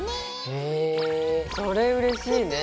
へえそれうれしいね。